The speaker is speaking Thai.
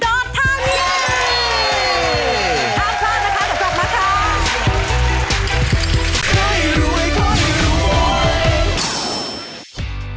น่าพลาดนะคะต่อไปก่อนมาค่ะ